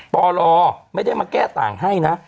ปลไม่ได้มาแก้ต่างให้นะ